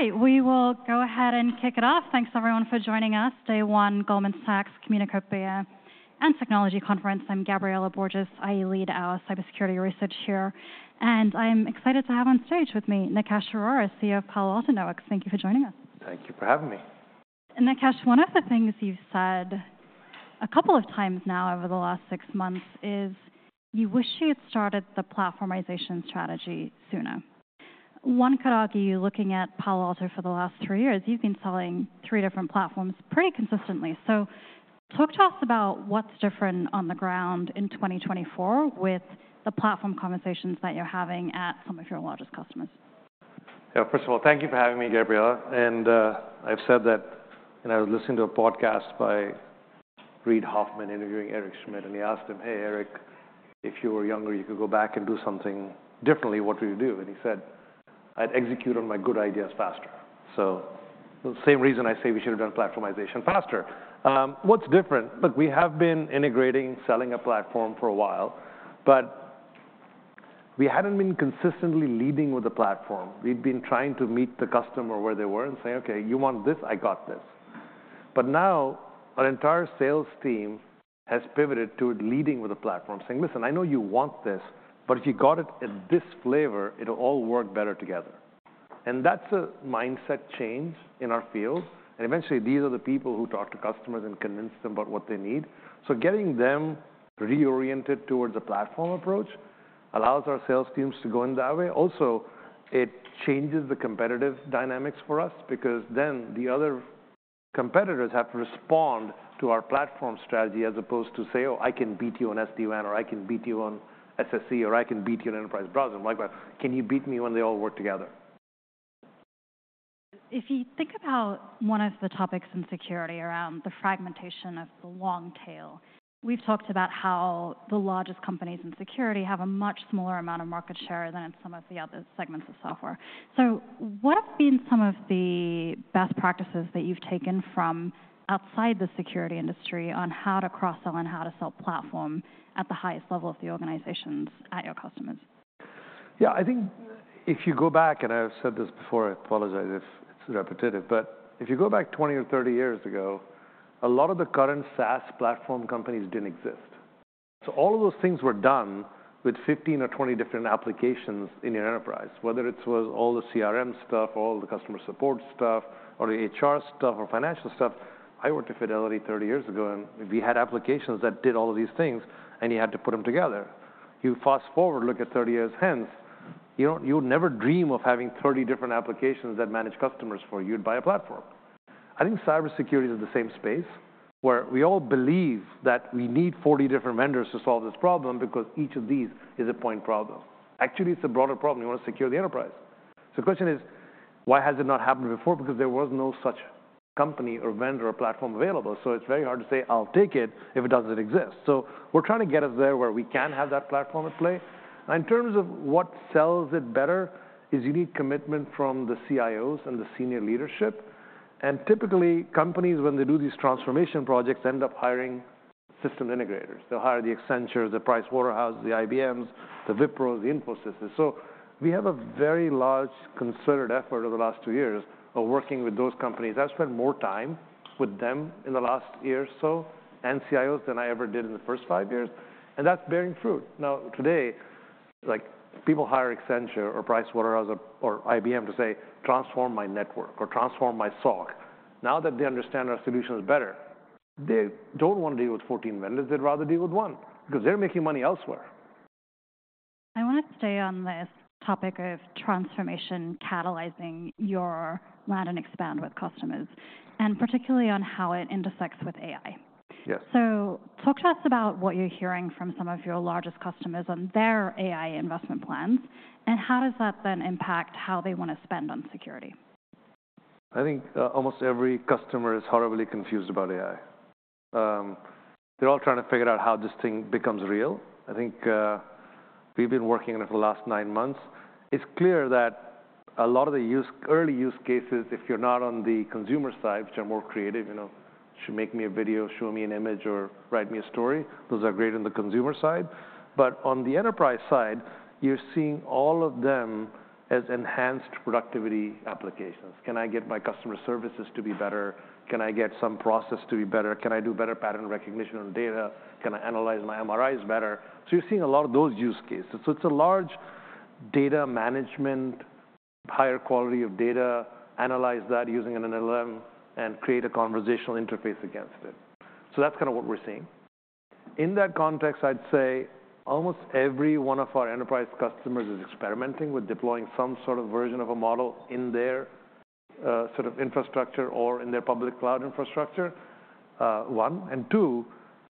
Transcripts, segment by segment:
All right, we will go ahead and kick it off. Thanks, everyone, for joining us. Day one, Goldman Sachs Communacopia and Technology Conference. I'm Gabriela Borges. I lead our cybersecurity research here, and I'm excited to have on stage with me, Nikesh Arora, CEO of Palo Alto Networks. Thank you for joining us. Thank you for having me. Nikesh, one of the things you've said a couple of times now over the last six months is, you wish you had started the platformization strategy sooner. One could argue, looking at Palo Alto for the last three years, you've been selling three different platforms pretty consistently. So talk to us about what's different on the ground in 2024 with the platform conversations that you're having at some of your largest customers. Yeah, first of all, thank you for having me, Gabriela. And, I've said that when I was listening to a podcast by Reid Hoffman interviewing Eric Schmidt, and he asked him, "Hey, Eric, if you were younger, you could go back and do something differently, what would you do?" And he said, "I'd execute on my good ideas faster." So the same reason I say we should have done platformization faster. What's different? Look, we have been integrating, selling a platform for a while, but we hadn't been consistently leading with the platform. We've been trying to meet the customer where they were and say, "Okay, you want this? I got this." But now, our entire sales team has pivoted to leading with a platform, saying, "Listen, I know you want this, but if you got it in this flavor, it'll all work better together." And that's a mindset change in our field. And eventually, these are the people who talk to customers and convince them about what they need. So getting them reoriented towards a platform approach allows our sales teams to go in that way. Also, it changes the competitive dynamics for us because then the other competitors have to respond to our platform strategy as opposed to say, "Oh, I can beat you on SD-WAN, or I can beat you on SSE, or I can beat you on enterprise browser," like that. Can you beat me when they all work together? If you think about one of the topics in security around the fragmentation of the long tail, we've talked about how the largest companies in security have a much smaller amount of market share than in some of the other segments of software. So what have been some of the best practices that you've taken from outside the security industry on how to cross-sell and how to sell platform at the highest level of the organizations at your customers? Yeah, I think if you go back, and I've said this before, I apologize if it's repetitive, but if you go back 20 or 30 years ago, a lot of the current SaaS platform companies didn't exist. So all of those things were done with 15 or 20 different applications in your enterprise, whether it was all the CRM stuff, all the customer support stuff, or the HR stuff, or financial stuff. I worked at Fidelity 30 years ago, and we had applications that did all of these things, and you had to put them together. You fast-forward, look at 30 years hence, you know, you'd never dream of having 30 different applications that manage customers for you. You'd buy a platform. I think cybersecurity is the same space, where we all believe that we need forty different vendors to solve this problem because each of these is a point problem. Actually, it's a broader problem. You want to secure the enterprise. So the question is, why has it not happened before? Because there was no such company or vendor or platform available. So it's very hard to say, "I'll take it," if it doesn't exist. So we're trying to get us there where we can have that platform at play. And in terms of what sells it better, is you need commitment from the CIOs and the senior leadership. And typically, companies, when they do these transformation projects, end up hiring system integrators. They'll hire the Accenture, the Pricewaterhouse, the IBMs, the Wipros, the Infosys. We have a very large concerted effort over the last two years of working with those companies. I've spent more time with them in the last year or so, and CIOs, than I ever did in the first five years, and that's bearing fruit. Now, today, like, people hire Accenture or Pricewaterhouse or, or IBM to say, "Transform my network or transform my SOC." Now that they understand our solutions better, they don't want to deal with 14 vendors. They'd rather deal with one, because they're making money elsewhere. I want to stay on this topic of transformation, catalyzing your land and expand with customers, and particularly on how it intersects with AI. Yes. So talk to us about what you're hearing from some of your largest customers on their AI investment plans, and how does that then impact how they want to spend on security? I think, almost every customer is horribly confused about AI. They're all trying to figure out how this thing becomes real. I think, we've been working on it for the last nine months. It's clear that a lot of the early use cases, if you're not on the consumer side, which are more creative, you know, "Make me a video, show me an image, or write me a story," those are great on the consumer side. But on the enterprise side, you're seeing all of them as enhanced productivity applications. "Can I get my customer services to be better? Can I get some process to be better? Can I do better pattern recognition on data? Can I analyze my MRIs better?" So you're seeing a lot of those use cases. So it's a large data management, higher quality of data, analyze that using an LLM, and create a conversational interface against it. So that's kinda what we're seeing. In that context, I'd say almost every one of our enterprise customers is experimenting with deploying some sort of version of a model in their sort of infrastructure or in their public cloud infrastructure, one. And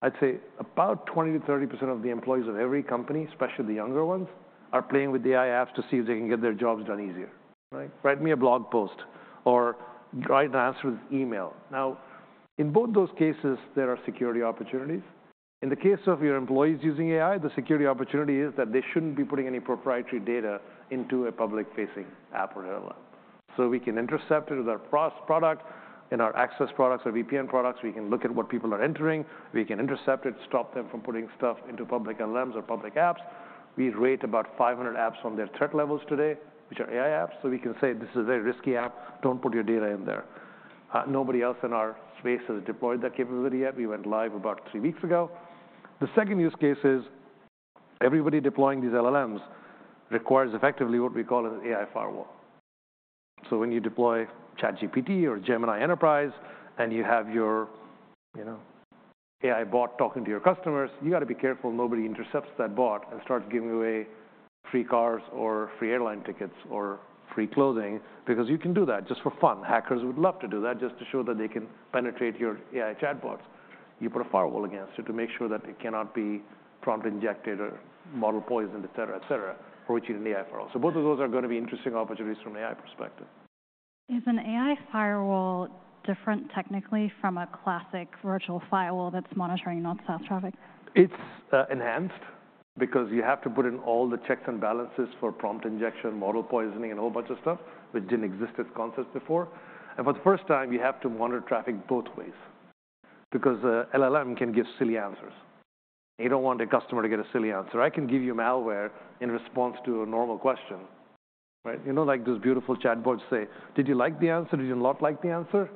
two, I'd say about 20-30% of the employees of every company, especially the younger ones, are playing with the AI apps to see if they can get their jobs done easier, right? "Write me a blog post," or, "Try to answer this email." Now, in both those cases, there are security opportunities. In the case of your employees using AI, the security opportunity is that they shouldn't be putting any proprietary data into a public-facing app or LLM. So we can intercept it with our Prisma product, in our access products or VPN products. We can look at what people are entering. We can intercept it, stop them from putting stuff into public LLMs or public apps... We rate about 500 apps on their threat levels today, which are AI apps. So we can say, "This is a very risky app. Don't put your data in there." Nobody else in our space has deployed that capability yet. We went live about three weeks ago. The second use case is everybody deploying these LLMs requires effectively what we call an AI firewall. So when you deploy ChatGPT or Gemini Enterprise and you have your, you know, AI bot talking to your customers, you got to be careful nobody intercepts that bot and starts giving away free cars or free airline tickets or free clothing, because you can do that just for fun. Hackers would love to do that just to show that they can penetrate your AI chatbots. You put a firewall against it to make sure that it cannot be prompt injected or model poisoned, et cetera, et cetera, which is an AI firewall. So both of those are going to be interesting opportunities from an AI perspective. Is an AI firewall different technically from a classic virtual firewall that's monitoring north-south traffic? It's enhanced because you have to put in all the checks and balances for prompt injection, model poisoning, and a whole bunch of stuff which didn't exist as concepts before. And for the first time, you have to monitor traffic both ways because a LLM can give silly answers, and you don't want a customer to get a silly answer. I can give you malware in response to a normal question, right? You know, like those beautiful chatbots say, "Did you like the answer? Did you not like the answer?"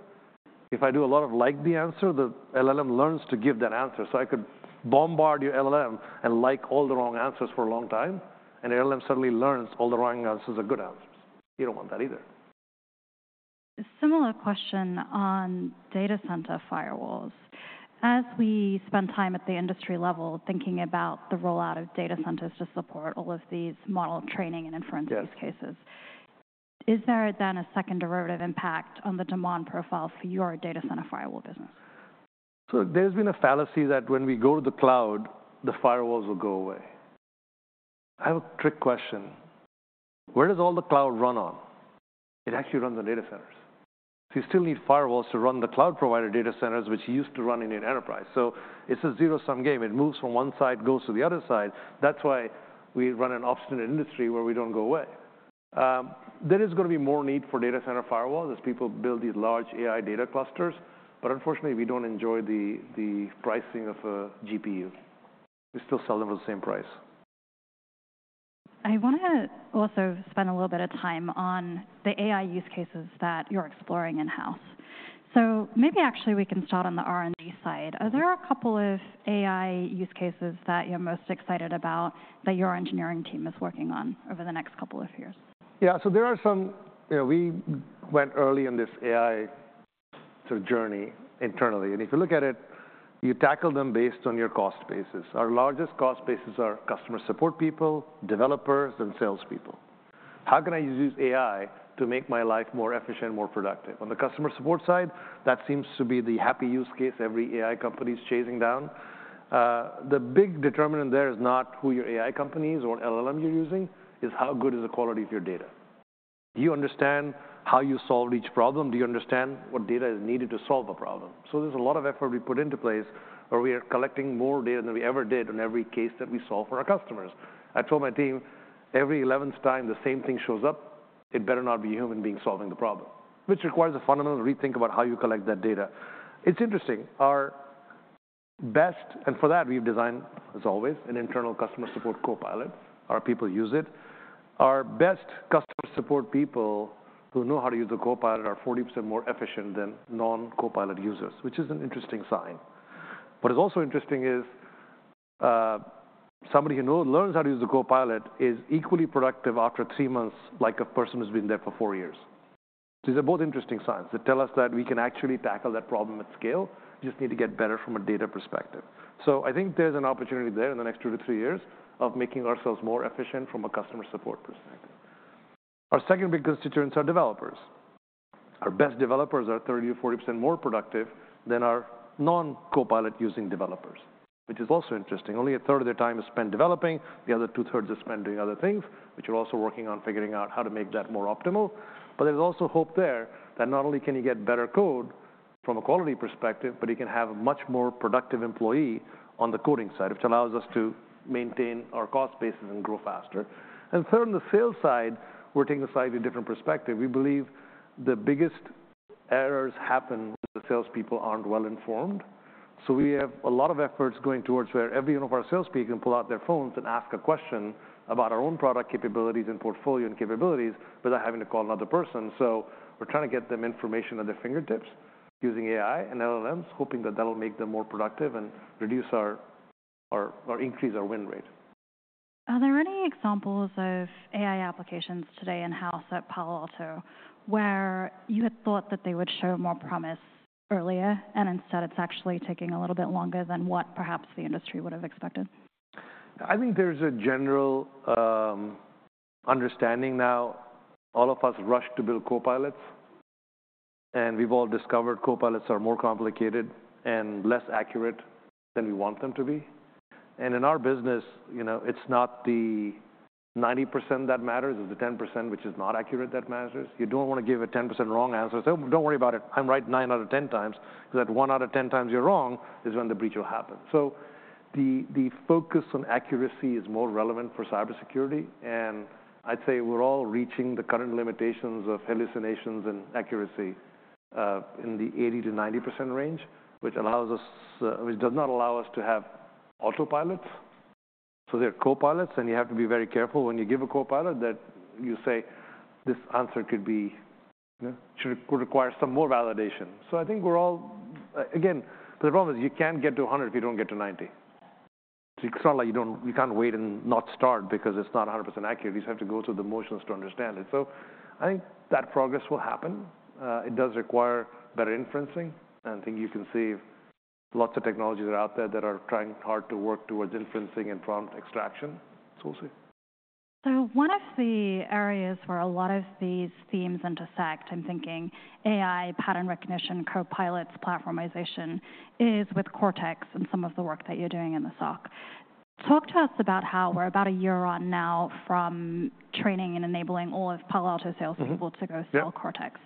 If I do a lot of like the answer, the LLM learns to give that answer. So I could bombard your LLM and like all the wrong answers for a long time, and your LLM suddenly learns all the wrong answers are good answers. You don't want that either. A similar question on data center firewalls. As we spend time at the industry level, thinking about the rollout of data centers to support all of these model training and inference. Yes Use cases, is there then a second derivative impact on the demand profile for your data center firewall business? So there's been a fallacy that when we go to the cloud, the firewalls will go away. I have a trick question: Where does all the cloud run on? It actually runs on data centers. So you still need firewalls to run the cloud provider data centers, which used to run in an enterprise. So it's a zero-sum game. It moves from one side, goes to the other side. That's why we run an obstinate industry where we don't go away. There is going to be more need for data center firewalls as people build these large AI data clusters, but unfortunately, we don't enjoy the pricing of a GPU. We still sell them at the same price. I want to also spend a little bit of time on the AI use cases that you're exploring in-house. So maybe actually we can start on the R&D side. Are there a couple of AI use cases that you're most excited about, that your engineering team is working on over the next couple of years? Yeah. So there are some... You know, we went early on this AI sort of journey internally, and if you look at it, you tackle them based on your cost basis. Our largest cost basis are customer support people, developers, and salespeople. How can I use AI to make my life more efficient and more productive? On the customer support side, that seems to be the happy use case every AI company is chasing down. The big determinant there is not who your AI company is or what LLM you're using, it's how good is the quality of your data. Do you understand how you solved each problem? Do you understand what data is needed to solve a problem? So there's a lot of effort we put into place where we are collecting more data than we ever did on every case that we solve for our customers. I told my team, every eleventh time the same thing shows up, it better not be a human being solving the problem, which requires a fundamental rethink about how you collect that data. It's interesting, our best and for that, we've designed, as always, an internal customer support copilot. Our people use it. Our best customer support people who know how to use the copilot are 40% more efficient than non-copilot users, which is an interesting sign. What is also interesting is, somebody who learns how to use the copilot is equally productive after three months, like a person who's been there for four years. These are both interesting signs that tell us that we can actually tackle that problem at scale. We just need to get better from a data perspective. I think there's an opportunity there in the next two to three years of making ourselves more efficient from a customer support perspective. Our second big constituents are developers. Our best developers are 30%-40% more productive than our non-Copilot-using developers, which is also interesting. Only a third of their time is spent developing, the other two-thirds is spent doing other things, which we're also working on figuring out how to make that more optimal. But there's also hope there that not only can you get better code from a quality perspective, but you can have a much more productive employee on the coding side, which allows us to maintain our cost bases and grow faster. And third, on the sales side, we're taking a slightly different perspective. We believe the biggest errors happen when the salespeople aren't well informed. So, we have a lot of efforts going towards where every one of our salespeople can pull out their phones and ask a question about our own product capabilities and portfolio and capabilities without having to call another person. So, we're trying to get them information at their fingertips using AI and LLMs, hoping that that will make them more productive and reduce our or increase our win rate. Are there any examples of AI applications today in-house at Palo Alto, where you had thought that they would show more promise earlier, and instead, it's actually taking a little bit longer than what perhaps the industry would have expected? I think there's a general understanding now. All of us rushed to build copilots, and we've all discovered copilots are more complicated and less accurate than we want them to be, and in our business, you know, it's not the 90% that matters, it's the 10%, which is not accurate, that matters. You don't want to give a 10% wrong answer, so don't worry about it. I'm right nine out of ten times, because that one out of ten times you're wrong is when the breach will happen, so the focus on accuracy is more relevant for cybersecurity, and I'd say we're all reaching the current limitations of hallucinations and accuracy in the 80%-90% range, which does not allow us to have autopilots. So they're Copilots, and you have to be very careful when you give a Copilot that you say, "This answer could be, you know, could require some more validation." So I think we're all, again, the problem is you can't get to 100 if you don't get to 90. So it's not like you can't wait and not start because it's not 100% accurate. You just have to go through the motions to understand it. So I think that progress will happen. It does require better inferencing, and I think you can see lots of technologies are out there that are trying hard to work towards inferencing and prompt injection. So we'll see. So one of the areas where a lot of these themes intersect, I'm thinking AI, pattern recognition, copilots, platformization, is with Cortex and some of the work that you're doing in the SOC. Talk to us about how we're about a year on now from training and enabling all of Palo Alto salespeople to go sell Cortex.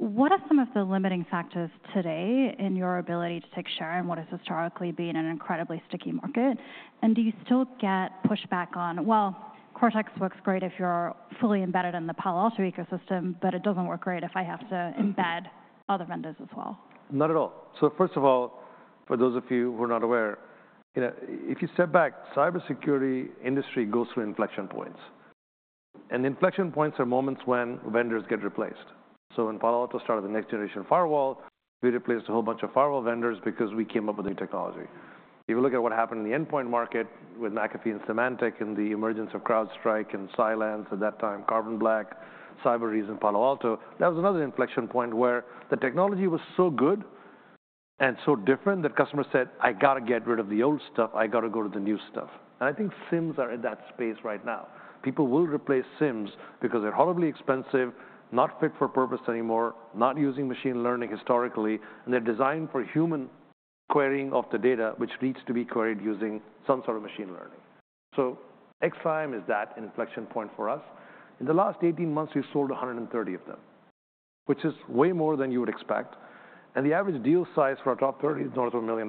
What are some of the limiting factors today in your ability to take share in what has historically been an incredibly sticky market? And do you still get pushback on, "Well, Cortex works great if you're fully embedded in the Palo Alto ecosystem, but it doesn't work great if I have to embed other vendors as well? Not at all. So first of all, for those of you who are not aware, you know, if you step back, cybersecurity industry goes through inflection points, and inflection points are moments when vendors get replaced. So when Palo Alto started the next-generation firewall, we replaced a whole bunch of firewall vendors because we came up with new technology. If you look at what happened in the endpoint market with McAfee and Symantec, and the emergence of CrowdStrike and Cylance, at that time, Carbon Black, Cybereason, Palo Alto, that was another inflection point where the technology was so good and so different that customers said, "I got to get rid of the old stuff. I got to go to the new stuff." And I think SIEMs are in that space right now. People will replace SIEMs because they're horribly expensive, not fit for purpose anymore, not using machine learning historically, and they're designed for human querying of the data, which needs to be queried using some sort of machine learning. So XSIAM is that inflection point for us. In the last 18 months, we've sold 130 of them, which is way more than you would expect, and the average deal size for our top 30 is north of $1 million.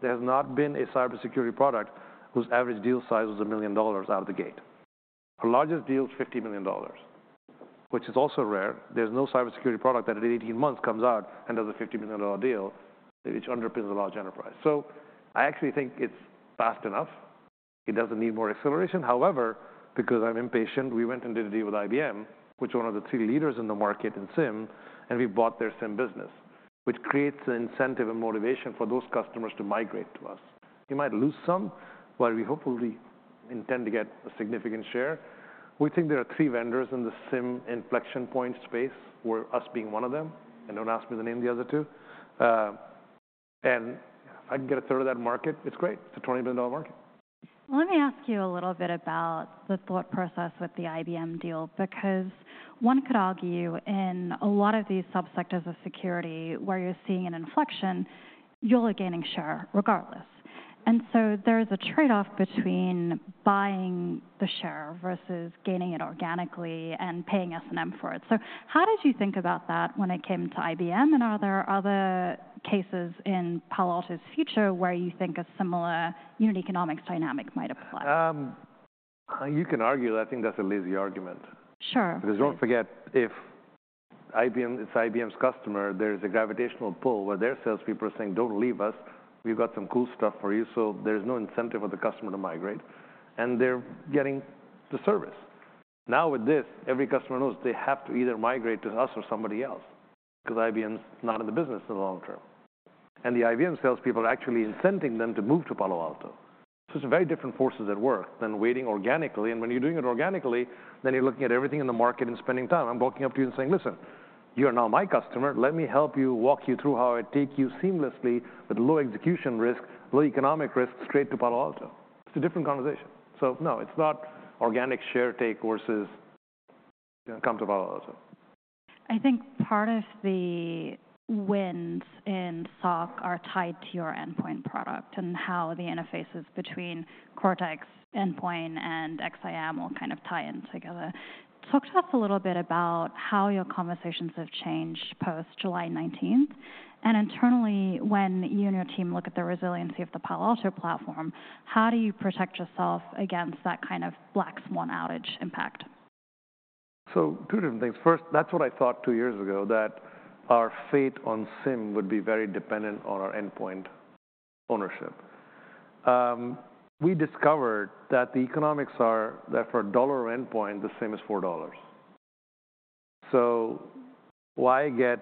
There has not been a cybersecurity product whose average deal size was $1 million out of the gate. Our largest deal is $50 million, which is also rare. There's no cybersecurity product that in 18 months comes out and does a $50 million deal, which underpins a large enterprise. So I actually think it's fast enough. It doesn't need more acceleration. However, because I'm impatient, we went and did a deal with IBM, which is one of the three leaders in the market in SIEM, and we bought their SIEM business, which creates an incentive and motivation for those customers to migrate to us. We might lose some, but we hopefully intend to get a significant share. We think there are three vendors in the SIEM inflection point space, where us being one of them, and don't ask me to name the other two. And if I can get a third of that market, it's great. It's a $20 billion market. Let me ask you a little bit about the thought process with the IBM deal, because one could argue in a lot of these subsectors of security, where you're seeing an inflection, you're gaining share regardless, and so there is a trade-off between buying the share versus gaining it organically and paying S&M for it, so how did you think about that when it came to IBM, and are there other cases in Palo Alto's future where you think a similar unit economics dynamic might apply? You can argue. I think that's a lazy argument. Sure. Because don't forget, if IBM, it's IBM's customer, there's a gravitational pull where their salespeople are saying: "Don't leave us. We've got some cool stuff for you." So there's no incentive for the customer to migrate, and they're getting the service. Now, with this, every customer knows they have to either migrate to us or somebody else because IBM's not in the business for the long term. And the IBM salespeople are actually incenting them to move to Palo Alto. So it's very different forces at work than waiting organically, and when you're doing it organically, then you're looking at everything in the market and spending time. I'm walking up to you and saying, "Listen, you are now my customer. Let me help you, walk you through how I take you seamlessly with low execution risk, low economic risk, straight to Palo Alto." It's a different conversation. So no, it's not organic share take versus come to Palo Alto. I think part of the wins in SOC are tied to your endpoint product and how the interfaces between Cortex, Endpoint, and XSIAM will kind of tie in together. Talk to us a little bit about how your conversations have changed post-July nineteenth. And internally, when you and your team look at the resiliency of the Palo Alto platform, how do you protect yourself against that kind of Black Swan outage impact? So two different things. First, that's what I thought two years ago, that our fate on SIM would be very dependent on our endpoint ownership. We discovered that the economics are that for $1 of endpoint, the same as $4. So why get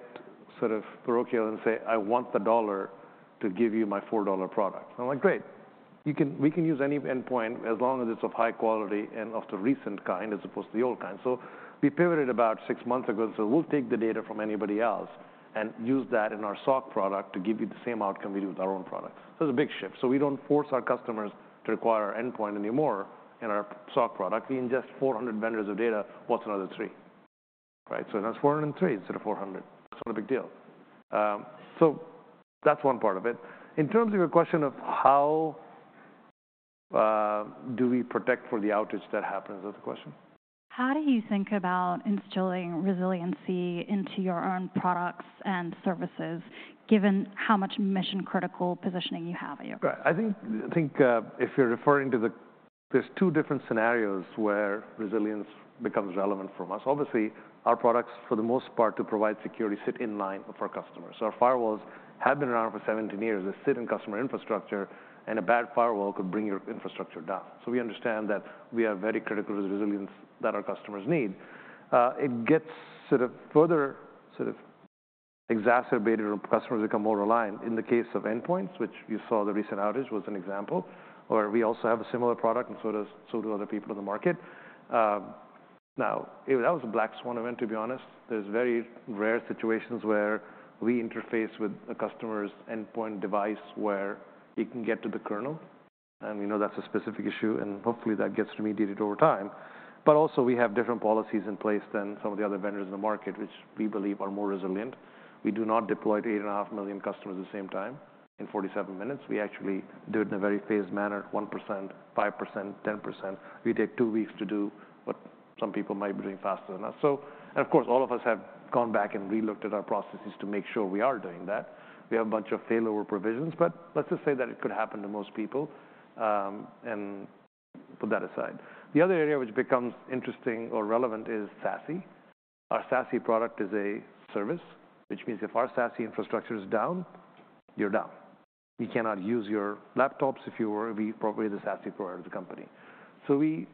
sort of parochial and say, "I want the $1 to give you my $4 product?" I'm like: Great, we can use any endpoint as long as it's of high quality and of the recent kind, as opposed to the old kind. So we pivoted about six months ago. So we'll take the data from anybody else and use that in our SOC product to give you the same outcome we do with our own product. So it's a big shift. So we don't force our customers to require our endpoint anymore in our SOC product. We ingest four hundred vendors of data. What's another three? Right. So that's four hundred and three instead of four hundred. It's not a big deal. So that's one part of it. In terms of your question of how, do we protect for the outage that happens, is that the question? How do you think about instilling resiliency into your own products and services, given how much mission-critical positioning you have in your product? Right. I think if you're referring to. There are two different scenarios where resilience becomes relevant from us. Obviously, our products, for the most part, to provide security, sit in line with our customers. So our firewalls have been around for 17 years. They sit in customer infrastructure, and a bad firewall could bring your infrastructure down. So we understand that we are very critical to the resilience that our customers need. It gets sort of further sort of exacerbated, or customers become more reliant in the case of endpoints, which you saw the recent outage was an example, or we also have a similar product, and so do other people in the market. Now, that was a Black Swan event, to be honest. are very rare situations where we interface with a customer's endpoint device where it can get to the kernel, and we know that's a specific issue, and hopefully, that gets remediated over time. But also, we have different policies in place than some of the other vendors in the market, which we believe are more resilient. We do not deploy to 8.5 million customers at the same time in 47 minutes. We actually do it in a very phased manner, 1%, 5%, 10%. We take two weeks to do what some people might be doing faster than us, so... and of course, all of us have gone back and relooked at our processes to make sure we are doing that. We have a bunch of failover provisions, but let's just say that it could happen to most people, and put that aside. The other area which becomes interesting or relevant is SASE. Our SASE product is a service, which means if our SASE infrastructure is down, you're down. You cannot use your laptops if you were probably the SASE provider of the company, so we,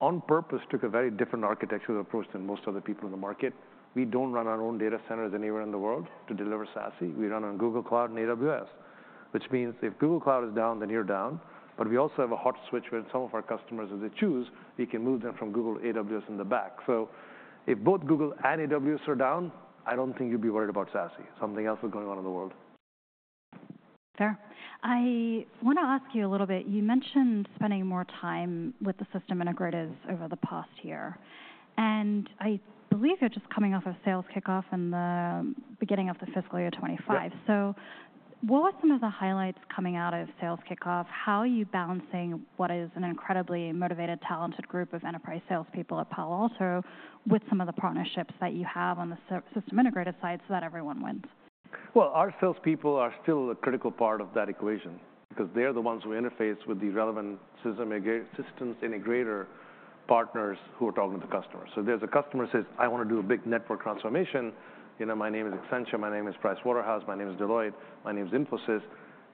on purpose, took a very different architectural approach than most other people in the market. We don't run our own data centers anywhere in the world to deliver SASE. We run on Google Cloud and AWS, which means if Google Cloud is down, then you're down. But we also have a hot switch where some of our customers, if they choose, we can move them from Google to AWS in the back, so if both Google and AWS are down, I don't think you'd be worried about SASE. Something else is going on in the world. Fair. I want to ask you a little bit. You mentioned spending more time with the system integrators over the past year, and I believe you're just coming off a sales kickoff in the beginning of the fiscal year 2025. Yeah. What were some of the highlights coming out of sales kickoff? How are you balancing what is an incredibly motivated, talented group of enterprise salespeople at Palo Alto with some of the partnerships that you have on the system integrator side so that everyone wins? Our salespeople are still a critical part of that equation because they're the ones who interface with the relevant systems integrator partners who are talking to the customer. So there's a customer who says, "I want to do a big network transformation. You know, my name is Accenture, my name is Pricewaterhouse, my name is Deloitte, my name is Infosys."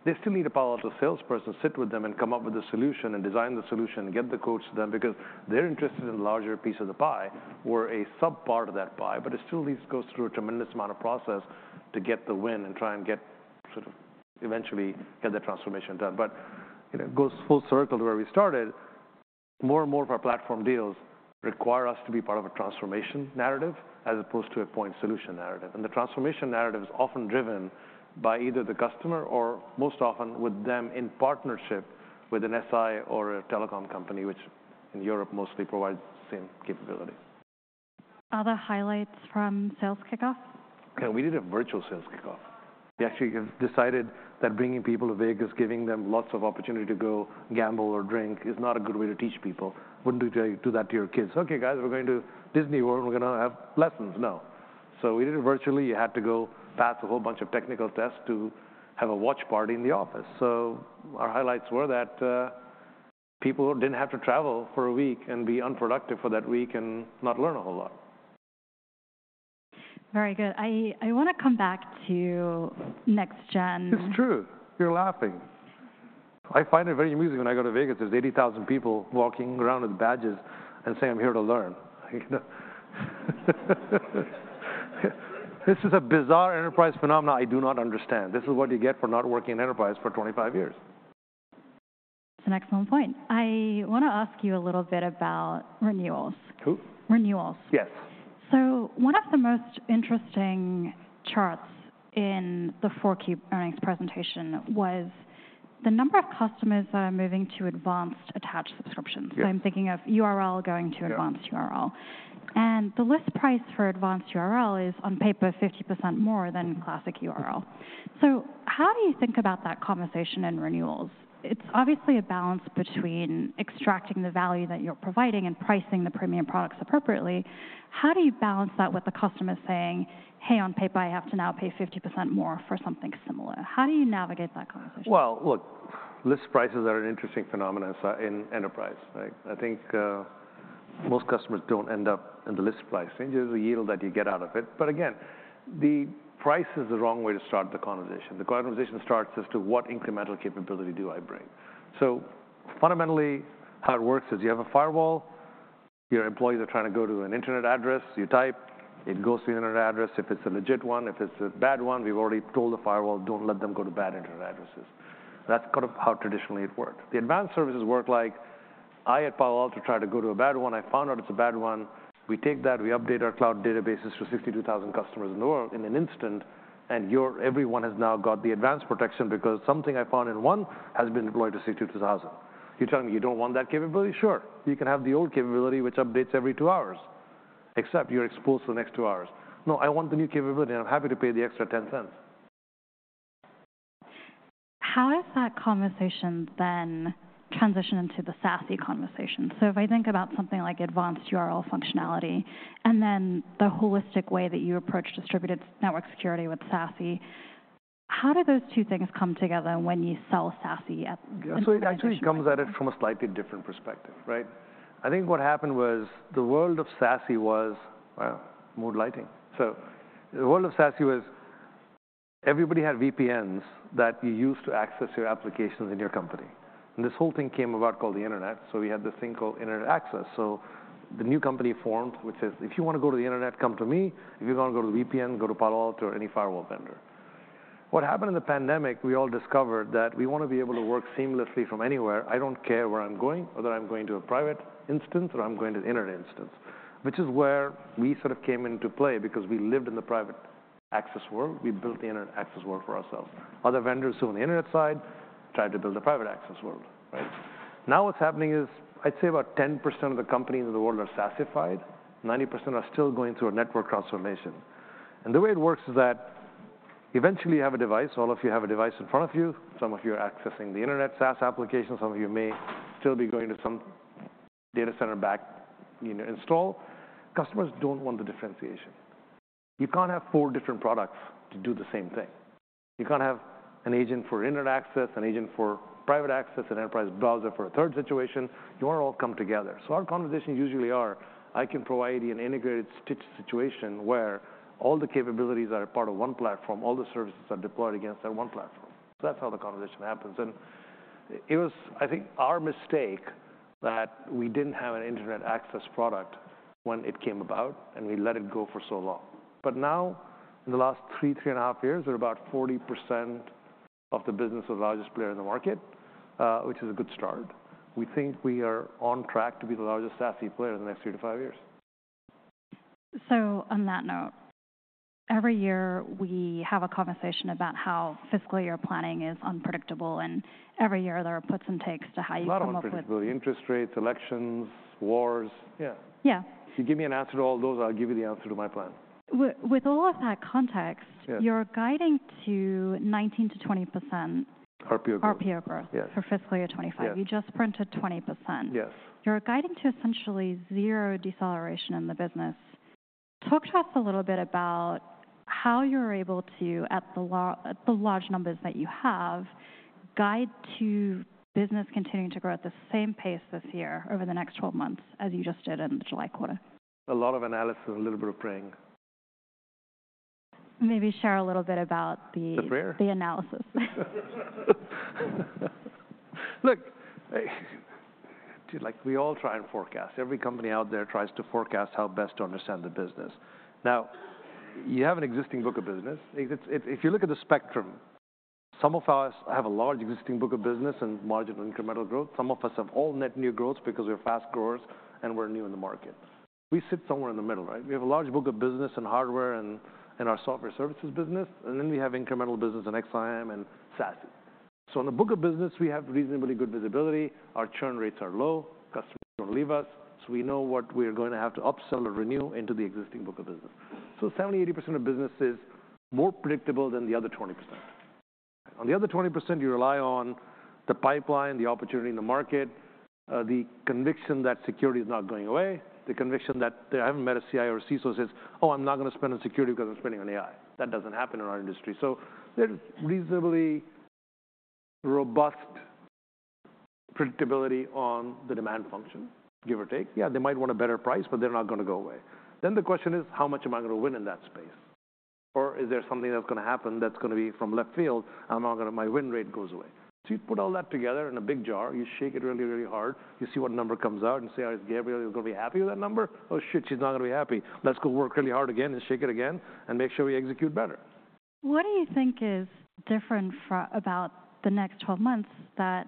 They still need a Palo Alto salesperson to sit with them and come up with a solution and design the solution and get the quotes to them because they're interested in a larger piece of the pie or a sub-part of that pie. But it still needs to go through a tremendous amount of process to get the win and try and get, sort of, eventually get that transformation done. But, you know, it goes full circle to where we started. More and more of our platform deals require us to be part of a transformation narrative as opposed to a point solution narrative. And the transformation narrative is often driven by either the customer or most often with them in partnership with an SI or a telecom company, which in Europe mostly provides the same capabilities. Other highlights from sales kickoff? Yeah, we did a virtual sales kickoff. We actually decided that bringing people to Vegas, giving them lots of opportunity to go gamble or drink, is not a good way to teach people. Wouldn't you do that to your kids? "Okay, guys, we're going to Disney World, and we're going to have lessons." No. So we did it virtually. You had to go pass a whole bunch of technical tests to have a watch party in the office. So our highlights were that people didn't have to travel for a week and be unproductive for that week and not learn a whole lot. Very good. I want to come back to next gen. It's true. You're laughing. I find it very amusing when I go to Vegas. There's eighty thousand people walking around with badges and saying, "I'm here to learn." This is a bizarre enterprise phenomenon I do not understand. This is what you get for not working in enterprise for twenty-five years. It's an excellent point. I want to ask you a little bit about renewals. Who? Renewals. Yes. One of the most interesting charts in the 4Q earnings presentation was the number of customers that are moving to advanced add-on subscriptions. Yeah. I'm thinking of URL going to Advanced URL. Yeah. The list price for advanced URL is, on paper, 50% more than classic URL. How do you think about that conversation in renewals? It's obviously a balance between extracting the value that you're providing and pricing the premium products appropriately. How do you balance that with the customer saying, "Hey, on paper, I have to now pay 50% more for something similar?" How do you navigate that conversation? Look, list prices are an interesting phenomenon in, in enterprise, right? I think, most customers don't end up in the list price. It changes the yield that you get out of it. But again, the price is the wrong way to start the conversation. The conversation starts as to what incremental capability do I bring? So fundamentally, how it works is you have a firewall, your employees are trying to go to an internet address, you type, it goes to the internet address, if it's a legit one. If it's a bad one, we've already told the firewall, "Don't let them go to bad internet addresses." That's kind of how traditionally it worked. The advanced services work like I, at Palo Alto, try to go to a bad one. I found out it's a bad one. We take that, we update our cloud databases to 62,000 customers in the world in an instant, and everyone has now got the advanced protection because something I found in one has been deployed to 62,000. You're telling me you don't want that capability? Sure, you can have the old capability, which updates every two hours, except you're exposed for the next two hours. "No, I want the new capability, and I'm happy to pay the extra $0.10. How does that conversation then transition into the SASE conversation? So if I think about something like Advanced URL Filtering, and then the holistic way that you approach distributed network security with SASE... How do those two things come together when you sell SASE at- Yeah, so it actually comes at it from a slightly different perspective, right? I think what happened was the world of SASE was. Wow, mood lighting. So the world of SASE was, everybody had VPNs that you used to access your applications in your company. And this whole thing came about called the internet. So we had this thing called internet access. So the new company formed, which is, if you want to go to the internet, come to me. If you're gonna go to VPN, go to Palo Alto or any firewall vendor. What happened in the pandemic, we all discovered that we want to be able to work seamlessly from anywhere. I don't care where I'm going, whether I'm going to a private instance or I'm going to an internet instance. Which is where we sort of came into play because we lived in the private access world. We built the internet access world for ourselves. Other vendors who are on the internet side tried to build a private access world, right? Now, what's happening is, I'd say about 10% of the companies in the world are SaaSified. 90% are still going through a network transformation. And the way it works is that eventually you have a device. All of you have a device in front of you. Some of you are accessing the internet, SaaS applications. Some of you may still be going to some data center backend, you know, install. Customers don't want the differentiation. You can't have four different products to do the same thing. You can't have an agent for internet access, an agent for private access, an enterprise browser for a third situation. You want it all to come together. So our conversations usually are, I can provide you an integrated such situation where all the capabilities are a part of one platform, all the services are deployed against that one platform. So that's how the conversation happens. And it was, I think, our mistake that we didn't have an internet access product when it came about, and we let it go for so long. But now, in the last three, three and a half years, we're about 40% of the business of the largest player in the market, which is a good start. We think we are on track to be the largest SASE player in the next three to five years. So on that note, every year we have a conversation about how fiscal year planning is unpredictable, and every year there are puts and takes to how you come up with A lot of unpredictability, interest rates, elections, wars. Yeah. Yeah. If you give me an answer to all those, I'll give you the answer to my plan. With all of that context- Yes you're guiding to 19%-20%. RPO growth. RPO growt Yes for fiscal year 2025. Yes. You just printed 20%. Yes. You're guiding to essentially zero deceleration in the business. Talk to us a little bit about how you're able to, at the large numbers that you have, guide to business continuing to grow at the same pace this year over the next twelve months as you just did in the July quarter. A lot of analysis, a little bit of praying. Maybe share a little bit about the The prayer? the analysis. Look, like, we all try and forecast. Every company out there tries to forecast how best to understand the business. Now, you have an existing book of business. If you look at the spectrum, some of us have a large existing book of business and marginal incremental growth. Some of us have all net new growth because we're fast growers and we're new in the market. We sit somewhere in the middle, right? We have a large book of business in hardware and our software services business, and then we have incremental business in XSIAM and SASE. So in the book of business, we have reasonably good visibility. Our churn rates are low. Customers don't leave us, so we know what we are going to have to upsell or renew into the existing book of business. 70-80% of business is more predictable than the other 20%. On the other 20%, you rely on the pipeline, the opportunity in the market, the conviction that security is not going away, the conviction that... I haven't met a CIO or CISO says, "Oh, I'm not going to spend on security because I'm spending on AI." That doesn't happen in our industry. So there's reasonably robust predictability on the demand function, give or take. Yeah, they might want a better price, but they're not going to go away. Then the question is, how much am I going to win in that space? Or is there something that's going to happen that's going to be from left field, I'm not gonna-- my win rate goes away. You put all that together in a big jar, you shake it really, really hard, you see what number comes out and say, "Is Gabriela going to be happy with that number? Oh, shit, she's not going to be happy. Let's go work really hard again and shake it again and make sure we execute better. What do you think is different about the next twelve months that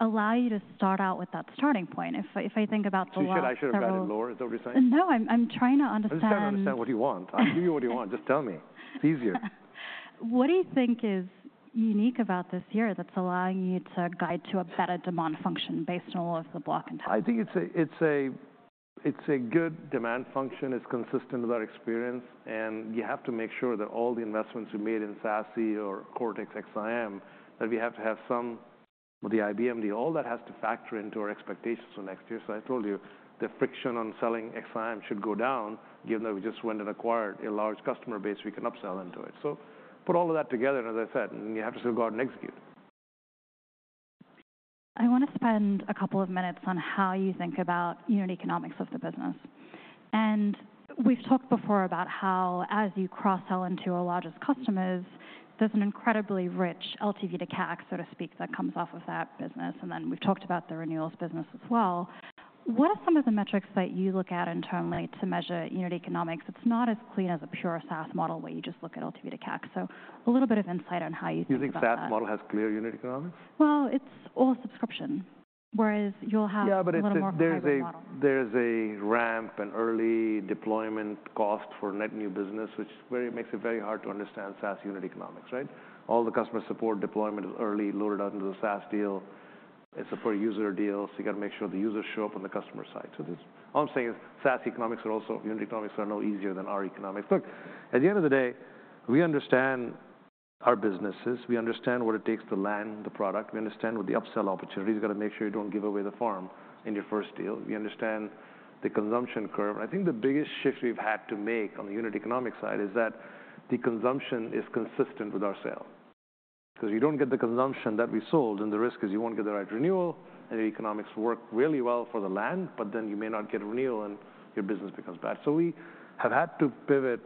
allow you to start out with that starting point? If I think about the last several- Do you think I should have done it lower though this time? No, I'm trying to understand- I'm trying to understand what you want. I give you what you want. Just tell me. It's easier. What do you think is unique about this year that's allowing you to guide to a better demand function based on all of the block and tackle? I think it's a good demand function. It's consistent with our experience, and you have to make sure that all the investments we made in SASE or Cortex XSIAM, that we have to have some... With the IBM deal, all that has to factor into our expectations for next year. So I told you, the friction on selling XSIAM should go down, given that we just went and acquired a large customer base we can upsell into it. So put all of that together, as I said, and you have to still go out and execute. I want to spend a couple of minutes on how you think about unit economics of the business, and we've talked before about how as you cross-sell into our largest customers, there's an incredibly rich LTV to CAC, so to speak, that comes off of that business, and then we've talked about the renewals business as well. What are some of the metrics that you look at internally to measure unit economics? It's not as clean as a pure SaaS model, where you just look at LTV to CAC, so a little bit of insight on how you think about that. You think SaaS model has clear unit economics? It's all subscription, whereas you'll have- Yeah, but it's a little more of a hybrid model. There's a ramp, an early deployment cost for net new business, which makes it very hard to understand SaaS unit economics, right? All the customer support deployment is early, loaded out into the SaaS deal. It's a per-user deal, so you got to make sure the users show up on the customer side. All I'm saying is SaaS economics are also, unit economics are no easier than our economics. Look, at the end of the day, we understand our businesses. We understand what it takes to land the product. We understand the upsell opportunity is. You got to make sure you don't give away the farm in your first deal. We understand the consumption curve. I think the biggest shift we've had to make on the unit economics side is that the consumption is consistent with our sales. 'cause you don't get the consumption that we sold, and the risk is you won't get the right renewal, and the economics work really well for the land, but then you may not get a renewal, and your business becomes bad. So we have had to pivot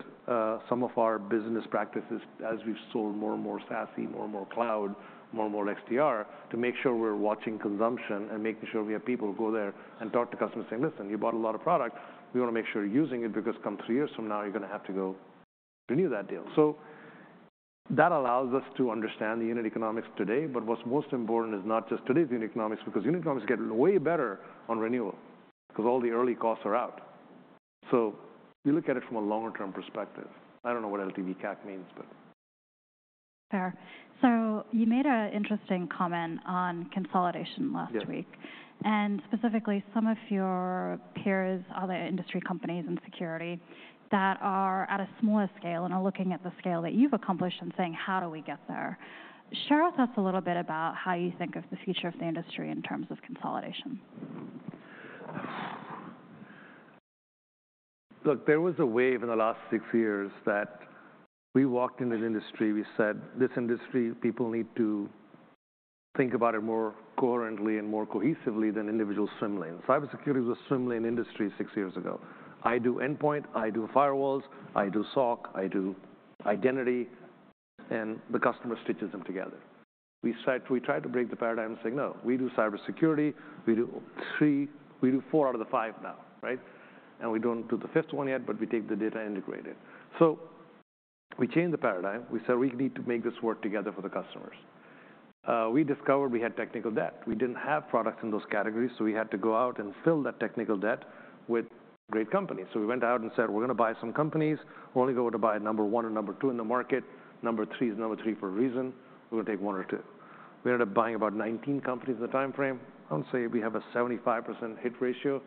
some of our business practices as we've sold more and more SASE, more and more cloud, more and more XDR, to make sure we're watching consumption and making sure we have people who go there and talk to customers saying, "Listen, you bought a lot of product. We wanna make sure you're using it, because come three years from now, you're gonna have to go renew that deal." So that allows us to understand the unit economics today, but what's most important is not just today's unit economics, because unit economics get way better on renewal, 'cause all the early costs are out. So we look at it from a longer-term perspective. I don't know what LTV CAC means, but- Fair. So you made an interesting comment on consolidation last week. Yes. Specifically, some of your peers, other industry companies in security, that are at a smaller scale and are looking at the scale that you've accomplished and saying, "How do we get there?" Share with us a little bit about how you think of the future of the industry in terms of consolidation. Look, there was a wave in the last six years that we walked in this industry, we said, "This industry, people need to think about it more coherently and more cohesively than individual swim lanes." Cybersecurity was a swim lane industry six years ago. I do endpoint, I do firewalls, I do SOC, I do identity, and the customer stitches them together. We said. We tried to break the paradigm and say, "No, we do cybersecurity. We do three, we do four out of the five now," right? And we don't do the fifth one yet, but we take the data and integrate it. So we changed the paradigm. We said, "We need to make this work together for the customers." We discovered we had technical debt. We didn't have products in those categories, so we had to go out and fill that technical debt with great companies. So we went out and said, "We're gonna buy some companies. We're only going to buy number one or number two in the market. Number three is number three for a reason. We're gonna take one or two." We ended up buying about nineteen companies in the timeframe. I would say we have a 75% hit ratio.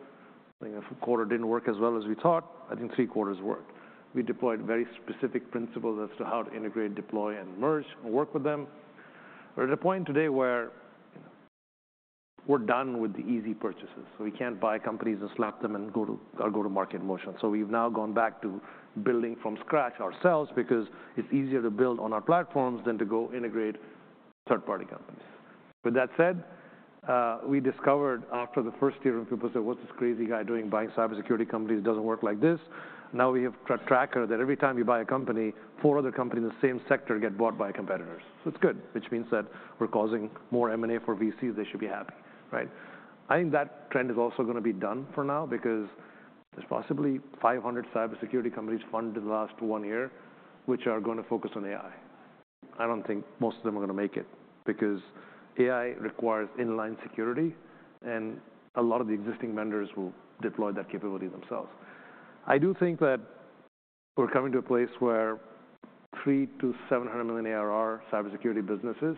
I think a quarter didn't work as well as we thought, I think three quarters worked. We deployed very specific principles as to how to integrate, deploy, and merge, and work with them. We're at a point today where we're done with the easy purchases, so we can't buy companies and slap them and go to our go-to-market motion. So we've now gone back to building from scratch ourselves, because it's easier to build on our platforms than to go integrate third-party companies. With that said, we discovered after the first year, and people said, "What's this crazy guy doing buying cybersecurity companies? It doesn't work like this." Now, we have tracked that every time you buy a company, four other companies in the same sector get bought by competitors. So it's good, which means that we're causing more M&A for VCs. They should be happy, right? I think that trend is also gonna be done for now because there's possibly 500 cybersecurity companies funded in the last one year, which are gonna focus on AI. I don't think most of them are gonna make it, because AI requires inline security, and a lot of the existing vendors will deploy that capability themselves. I do think that we're coming to a place where 300-700 million ARR cybersecurity businesses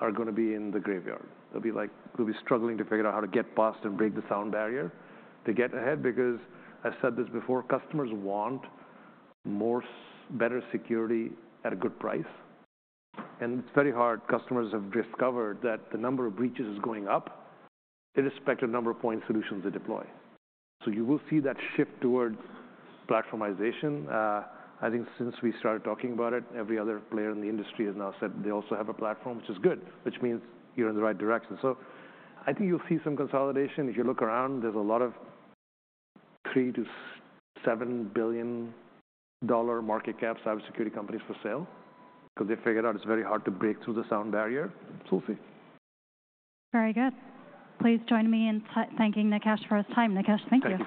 are gonna be in the graveyard. They'll be like, they'll be struggling to figure out how to get past and break the sound barrier to get ahead, because I've said this before, customers want more, better security at a good price, and it's very hard. Customers have discovered that the number of breaches is going up, irrespective number of point solutions they deploy. So you will see that shift towards platformization. I think since we started talking about it, every other player in the industry has now said they also have a platform, which is good, which means you're in the right direction. So I think you'll see some consolidation. If you look around, there's a lot of three- to seven-billion-dollar market cap cybersecurity companies for sale, because they figured out it's very hard to break through the sound barrier. So we'll see. Very good. Please join me in thanking Nikesh for his time. Nikesh, thank you.